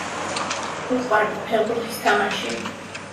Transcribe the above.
უყვარდა ფეხბურთის თამაში.